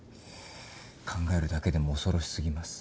考えるだけでも恐ろしすぎます。